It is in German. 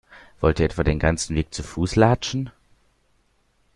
Wollt ihr etwa den ganzen Weg zu Fuß latschen?